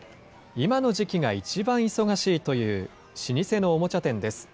今の時期が一番忙しいという老舗のおもちゃ店です。